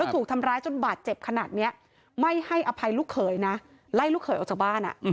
ถูกทำร้ายจนบาดเจ็บขนาดนี้ไม่ให้อภัยลูกเขยนะไล่ลูกเขยออกจากบ้าน